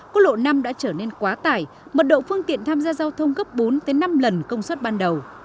quốc lộ năm đã trở nên quá tải mật độ phương tiện tham gia giao thông gấp bốn năm lần công suất ban đầu